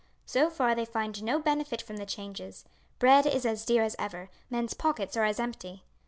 So far they find no benefit from the changes. Bread is as dear as ever, men's pockets are as empty.